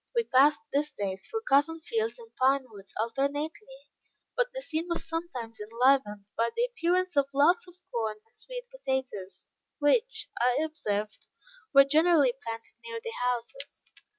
We passed this day through cotton fields and pine woods, alternately; but the scene was sometimes enlivened by the appearance of lots of corn and sweet potatoes, which, I observed, were generally planted near the houses.